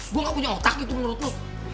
gue gak punya otak gitu menurut lo